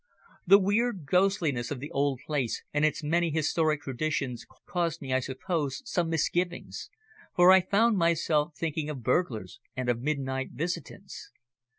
The weird ghostliness of the old place and its many historic traditions caused me, I suppose, some misgivings, for I found myself thinking of burglars and of midnight visitants.